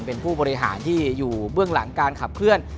เป็นผู้บริหารที่อยู่เบื้องหลังการขับเคลื่อน